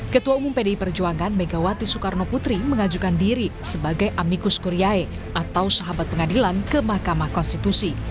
ketua umum pdi perjuangan megawati soekarno putri mengajukan diri sebagai amikus kurya atau sahabat pengadilan ke mahkamah konstitusi